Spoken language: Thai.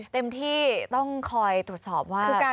เต็มที่ต้องคอยตรวจสอบว่า